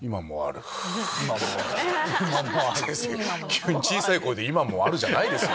先生急に小さい声で「今もある」じゃないですよ。